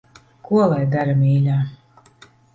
Ko lai dara, mīļā.